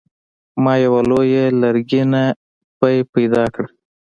ما یوه لویه لرګینه پیپ پیدا کړه.